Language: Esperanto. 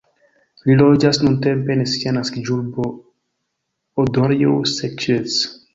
Li loĝas nuntempe en sia naskiĝurbo, Odorheiu Secuiesc.